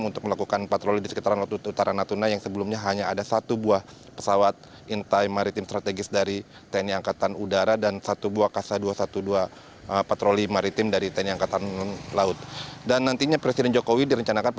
untuk melakukan patroli di sekitaran laut utara